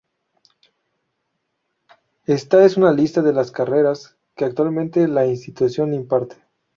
Esta es una lista de las carreras que actualmente la institución imparte.